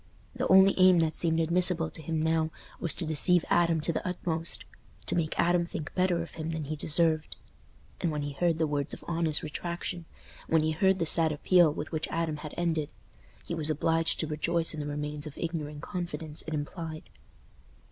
The only aim that seemed admissible to him now was to deceive Adam to the utmost: to make Adam think better of him than he deserved. And when he heard the words of honest retractation—when he heard the sad appeal with which Adam ended—he was obliged to rejoice in the remains of ignorant confidence it implied.